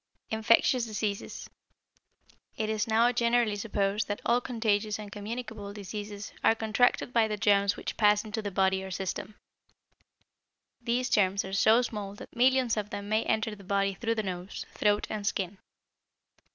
=Infectious Diseases.= It is now generally supposed that all contagious and communicable diseases are contracted by the germs which pass into the body or system. These germs are so small that millions of them may enter the body through the nose, throat, and skin.